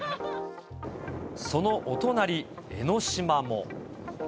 そのお隣、江の島も。